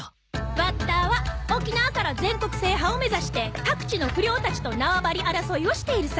ワッターは沖縄から全国制覇を目指して各地の不良たちと縄張り争いをしているさ。